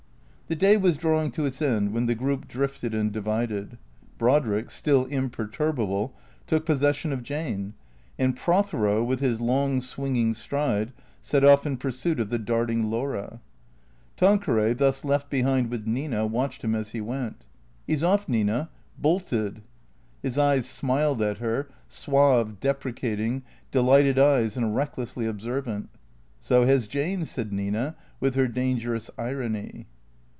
The day was drawing to its end when the group drifted and divided. Brodrick, still imperturbable, took possession of Jane, and Prothero, with his long swinging stride, set off in pursuit of the darting Laura. Tanqueray, thus left behind with Nina, watched him as he went. " He 's off, Nina. Bolted." His eyes smiled at her, suave, deprecating, delighted eyes and recklessly observant. " So has Jane," said Nina, with her dangerous irony.